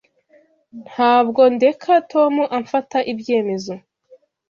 Ntabwo ndeka Tom amfata ibyemezo.